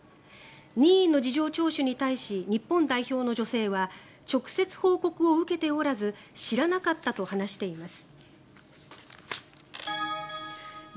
任意の事情聴取に対し日本代表の女性は直接報告を受けておらず知らなかったと話しています。